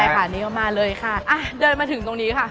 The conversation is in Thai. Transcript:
ในนี้มาเลยค่ะอ่าเดินมาถึงตรงนี้ค่ะ